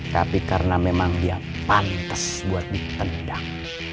tapi karena memang dia pantas buat ditendang